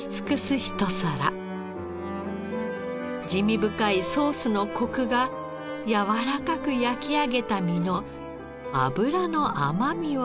滋味深いソースのコクがやわらかく焼き上げた身の脂の甘みを引き立てます。